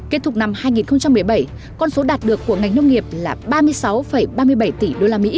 kết thúc năm hai nghìn một mươi bảy con số đạt được của ngành nông nghiệp là ba mươi sáu ba mươi bảy tỷ usd